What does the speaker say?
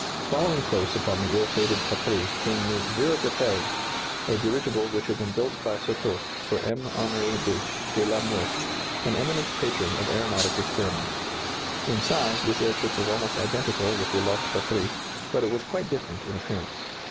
] Following close upon the ill fated "Patrie" came the "Ville de Paris," a dirigible which had been built by Surcouf for M. Henri Deutsch de la Meurthe, an eminent patron of aeronautic experiments. In size this airship was almost identical with the lost "Patrie," but it was quite different in appearance.